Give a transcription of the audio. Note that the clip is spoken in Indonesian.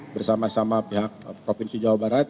bersama sama pihak provinsi jawa barat